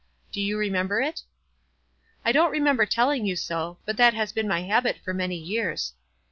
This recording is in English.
Do you remember it? " ''I don't remember telling you so; but that has been my habit for many years."